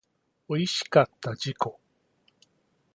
おいしかった自己